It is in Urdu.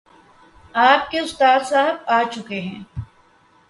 آپ کے استاد صاحب آ چکے ہیں